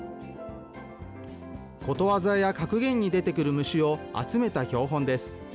ことわざや格言に出てくる虫を集めた標本です。